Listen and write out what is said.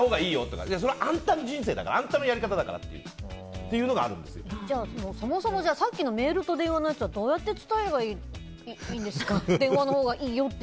それはあんたの人生だからあんたのやり方だからじゃあ、そもそもさっきのメールと電話のやつはどうやって伝えればいいんですか電話のほうがいいよって。